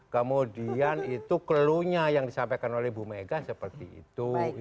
kemudian itu kelunya yang disampaikan oleh bu mega seperti itu